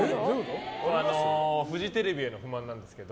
フジテレビへの不満なんですけど。